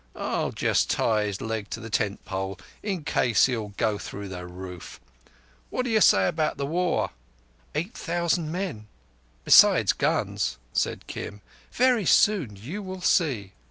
I'll just tie his leg to the tent pole in case he'll go through the roof. What did ye say about the war?" "Eight thousand men, besides guns," said Kim. "Very soon you will see."